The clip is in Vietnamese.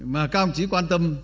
mà các đồng chí quan tâm